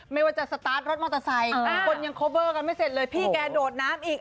ไม่ว่าจะสตาร์ทรถมอเตอร์ไซค์อ่าคนยังไม่เสร็จเลยพี่แกโดดน้ำอีก